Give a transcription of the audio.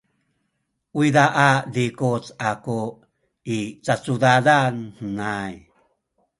uyza a zikuc aku i cacudadan henay.